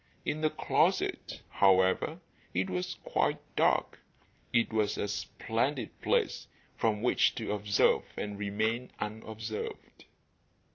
In the closet, however, it was quite dark. It was a splendid place from which to observe and remain unobserved.